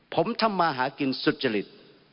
ผมทำมาหากินสุจริต